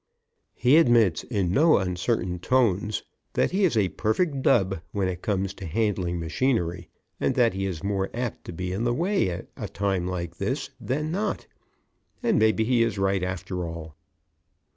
He admits in no uncertain tones, that he is a perfect dub when it comes to handling machinery and that he is more apt to be in the way at a time like this than not. And maybe he is right, after all.